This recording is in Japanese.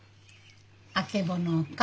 「あけぼの」か。